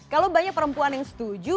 kalau banyak perempuan yang setuju